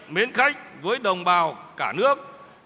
mến khách với đồng bào cả nước